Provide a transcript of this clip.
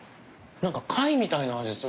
何か貝みたいな味する。